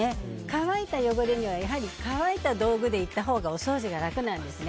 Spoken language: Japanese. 乾いた汚れにはやはり乾いた道具でいったほうがお掃除が楽なんです。